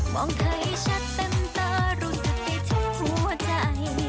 มองเธอให้ชัดเต็มตารู้สึกได้ทั้งหัวใจ